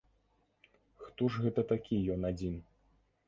Хто ж гэта такі ён адзін?!